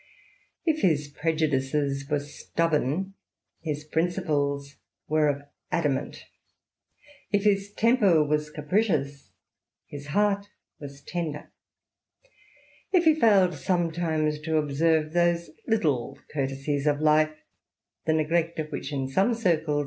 If his prejudices were stubborn, his principles were of adamant; if his temper was capricious, his heart was tender; if he failed sometimes to observe those little courtesies of life, the neglect of which in some circles XXX INTRODUCTION.